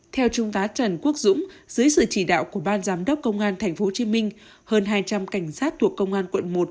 theo trung tá trần quốc dũng dưới sự chỉ đạo của ban giám đốc công an tp hcm hơn hai trăm linh cảnh sát thuộc công an quận một